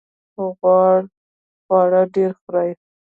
غوړ خواړه ډیر خورئ؟